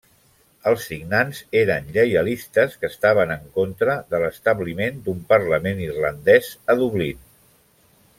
Els signants eren lleialistes que estaven en contra de l'establiment d'un parlament irlandès a Dublín.